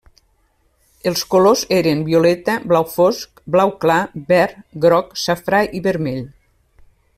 Els colors eren: violeta, blau fosc, blau clar, verd, groc, safrà i vermell.